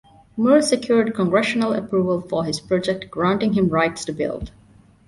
Moore secured Congressional approval for his project, granting him rights to build.